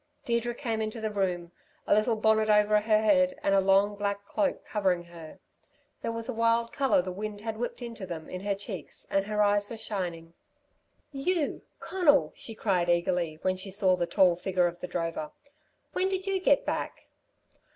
Deirdre came into the room, a little bonnet over her head and a long black cloak covering her. There was a wild colour the wind had whipped into them in her cheeks and her eyes were shining. "You, Conal!" she cried eagerly when she saw the tall figure of the drover. "When did you get back?"